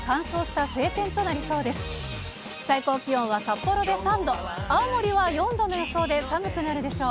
最高気温は札幌で３度、青森は４度の予想で寒くなるでしょう。